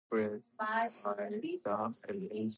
Cody is served by Yellowstone Regional Airport.